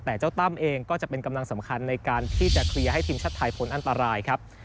แต่เจ้าตั้มเองก็จะเป็นกำลังสำคัญในการที่จะเคลียร์ให้ทีมชาติไทยพ้นอันตรายครับ